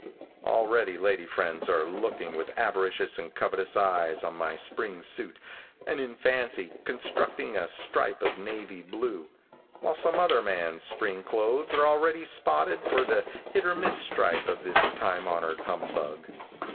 Already lady friends are looking with avaricious and covetous eyes on my spring suit, and, in fancy, constructing a stripe of navy blue, while some other man's spring clothes are already spotted for the "hit or miss" stripe of this time honored humbug.